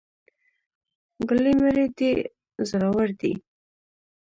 ګلې مړې دې زورور دي.